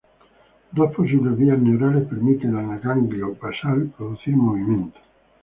Dos posibles vías neurales permiten al ganglio basal producir movimiento.